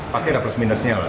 pasti ada plus minusnya lah